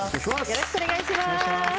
よろしくお願いします。